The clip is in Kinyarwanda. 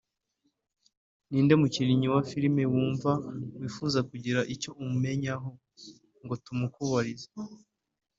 Ni inde mukinnyi wa filime wumva wifuza kugira icyo umenyaho ngo tumukubarize